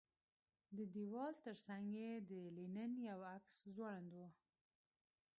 د دېوال ترڅنګ یې د لینن یو عکس ځوړند و